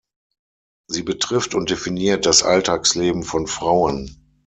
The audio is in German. Sie betrifft und definiert das Alltagsleben von Frauen.